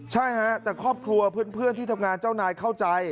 ใช่ฮะแต่ครอบครัวเพื่อนที่ทำงานเจ้านายเข้าใจ